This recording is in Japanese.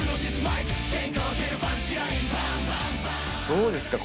どうですか？